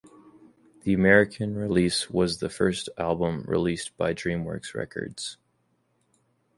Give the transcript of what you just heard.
The American release was the very first album released by DreamWorks Records.